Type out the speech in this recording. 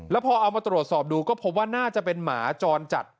แล้วพอเอามาตรวจสอบดูก็พบว่าน่าจะเป็นหมาจรจัด